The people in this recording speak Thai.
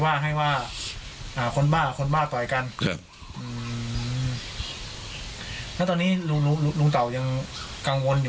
ว่ามันจะกลับมาทำซ้ำดีกันครับ